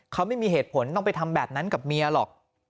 เขาไม่มีเหตุผลต้องไปทำแบบนั้นกับเมียหรอก